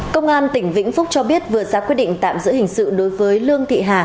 công an tỉnh vĩnh phúc cho biết vừa ra quyết định tạm giữ hình sự đối với lương thị hà